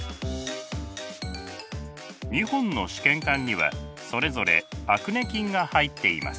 ２本の試験管にはそれぞれアクネ菌が入っています。